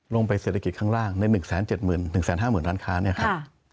ลงไปเศรษฐกิจข้างล่างใน๑๗๐๐๐๐๐๑๕๐๐๐๐ร้านค้าเนี่ยค่ะ